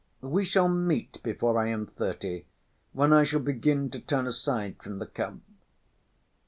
We shall meet before I am thirty, when I shall begin to turn aside from the cup.